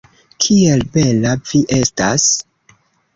Kiel bela vi estas!